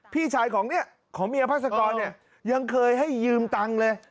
พี่ชายของเนี่ยของเมียพาสกรเนี่ยยังเคยให้ยืมตังค์เลย